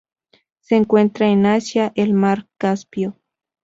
Se encuentran en Asia: el mar Caspio.